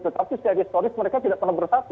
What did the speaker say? tetapi secara historis mereka tidak pernah bersatu